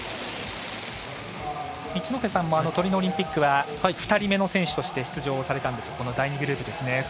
一戸さんもトリノオリンピックは２人目の選手として出場されたんですがこの第２グループですね。